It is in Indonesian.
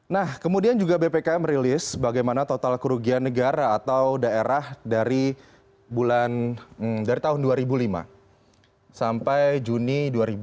nah kemudian juga bpk merilis bagaimana total kerugian negara atau daerah dari tahun dua ribu lima sampai juni dua ribu dua puluh